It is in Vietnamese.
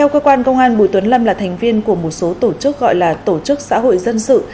cơ quan công an bùi tuấn lâm là thành viên của một số tổ chức gọi là tổ chức xã hội dân sự